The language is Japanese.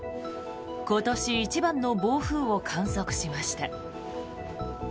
今年一番の暴風を観測しました。